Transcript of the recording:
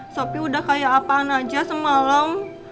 sopi udah kayak apaan aja semalam